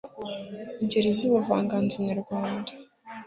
ngeri z'ubuvanganzo nyarwanda